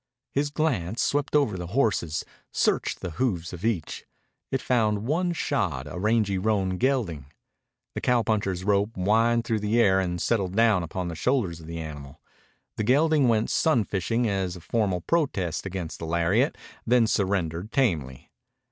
His glance swept over the horses, searched the hoofs of each. It found one shod, a rangy roan gelding. The cowpuncher's rope whined through the air and settled down upon the shoulders of the animal. The gelding went sun fishing as a formal protest against the lariat, then surrendered tamely.